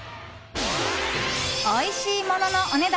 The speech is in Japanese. おいしいもののお値段